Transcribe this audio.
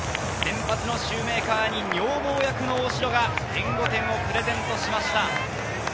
先発シューメーカーに女房役の大城が援護点をプレゼントしました。